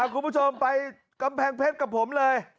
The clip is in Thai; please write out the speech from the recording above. คุณผู้ชมไปกำแพงเพชรกับผมเลย